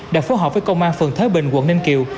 đã phối hợp với công an phường thới bình quận ninh kiều